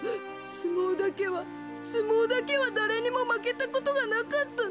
すもうだけはすもうだけはだれにもまけたことがなかったのに。